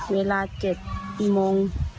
เวลาเจ็ดโมง